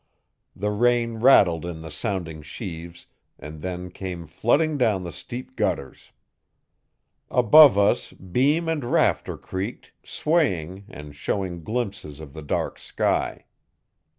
The rain rattled in the sounding sheaves and then came flooding down the steep gutters. Above us beam and rafter creaked, swaying, and showing glimpses of the dark sky.